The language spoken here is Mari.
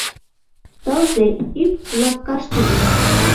Тылзе — ӱп лапкаштыже